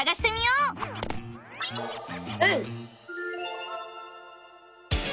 うん！